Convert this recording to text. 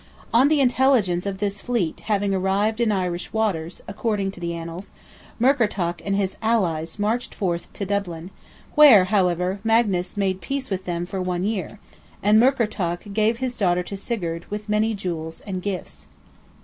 On the intelligence of this fleet having arrived in Irish waters, according to the annals, Murkertach and his allies marched in force to Dublin, where, however, Magnus "made peace with them for one year," and Murkertach "gave his daughter to Sigurd, with many jewels and gifts."